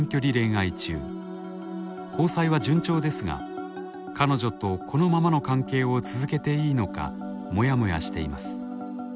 交際は順調ですが彼女とこのままの関係を続けていいのかモヤモヤしています。